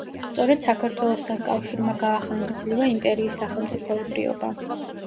სწორედ საქართველოსთან კავშირმა გაახანგრძლივა იმპერიის სახელმწიფოებრიობა.